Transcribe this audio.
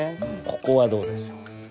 ここはどうでしょ？